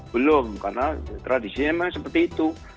belum karena tradisinya memang seperti itu